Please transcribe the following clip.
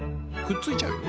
くっついちゃうよ。